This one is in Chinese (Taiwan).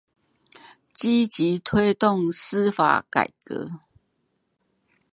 積極推動司法改革